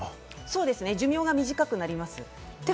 そうです、寿命が短くなります。